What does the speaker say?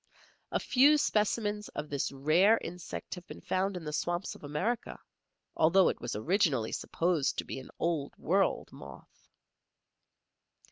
A few specimens of this rare insect have been found in the swamps of America, although it was originally supposed to be an Old World moth.